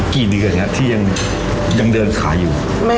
กี่เดือนครับที่ยังเดินขายอยู่